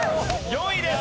４位です。